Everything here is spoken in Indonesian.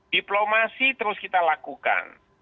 diplomasi terus kita lakukan